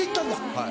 はい。